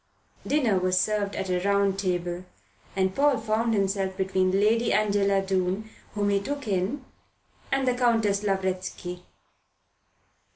Dinner was served at a round table, and Paul found himself between Lady Angela Doon, whom he took in, and the Countess Lavretsky.